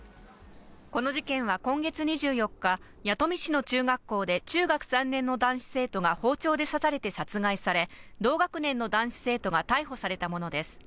この事件は今月２４日弥富市の中学校で中学３年の男子生徒が包丁で刺されて殺害され同学年の男子生徒が逮捕されたものです。